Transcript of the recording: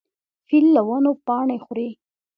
فیل له ونو پاڼې خوري.